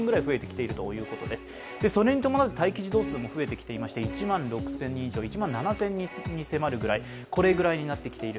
それに伴う待機児童数も増えてきていて１万６８２５人１万７０００人に迫るぐらい、これぐらいになってきている。